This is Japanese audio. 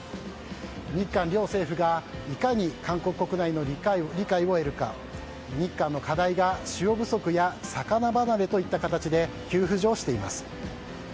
日韓両政府がいかに韓国国内の理解を得るか日韓の課題が塩不足や魚離れといった形で急浮上しています。